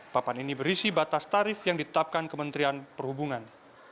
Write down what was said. papan ini berisi batas tarif yang ditetapkan kementerian perhubungan